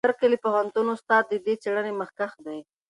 د برکلي پوهنتون استاد د دې څېړنې مخکښ دی.